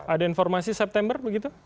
ada informasi september begitu